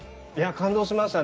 感動しました。